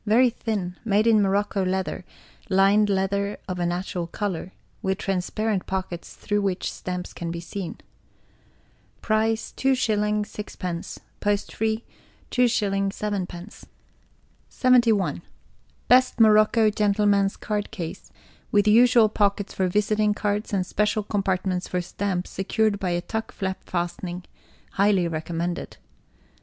Very thin, made in morocco leather, lined leather of a neutral colour, with transparent pockets through which stamps can be seen. Price 2/6; post free, 2 7 71. BEST MOROCCO GENTLEMAN'S CARD CASE, with usual pockets for visiting cards, and special compartments for stamps secured by a tuck flap fastening. (HIGHLY RECOMMENDED.)